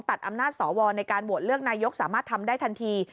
ตัดอำนาจสวในการโหวตเลือกนายกสามารถทำได้ทันที